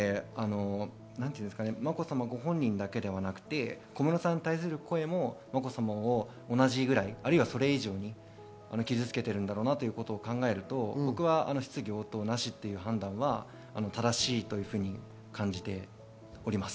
まこさまご本人だけでなく小室さんに対する声も、まこさまと同じぐらいそれ以上に傷付けているんだろうなということを考えると僕は質疑応答なしという判断は正しいというふうに感じます。